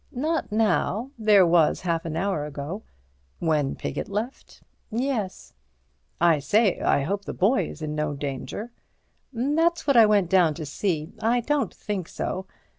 "Not now; there was half an hour ago." "When Piggott left?" "Yes." "I say—I hope the boy is in no danger." "That's what I went down to see. I don't think so.